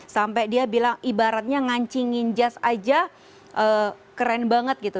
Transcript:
sampai dia bilang ibaratnya ngancingin jas aja keren banget gitu